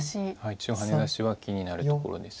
中央ハネ出しは気になるところです。